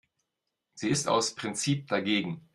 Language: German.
Sie ist aus Prinzip dagegen.